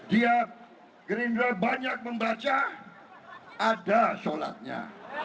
dia gerindra banyak membaca ada sholatnya